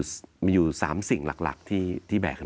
สวัสดีครับทุกคน